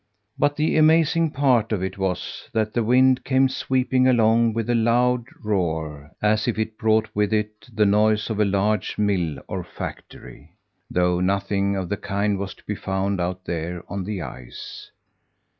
But the amazing part of it was that the wind came sweeping along with a loud roar as if it brought with it the noise of a large mill or factory, though nothing of the kind was to be found out there on the ice.